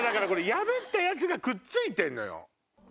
破ったやつがくっついてんのよ。